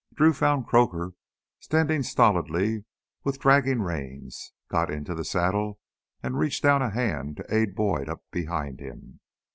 Drew found Croaker standing stolidly with dragging reins, got into the saddle, and reached down a hand to aid Boyd up behind him.